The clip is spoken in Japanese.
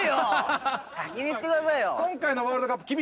先に言ってくださいよ。